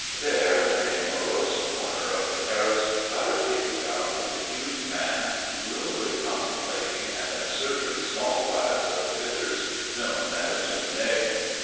There, in a morose corner of the terrace, Aristide found the huge man gloomily contemplating an absurdly small glass of the bitters known as Dubonnet.